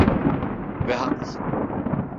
Ve haklısın.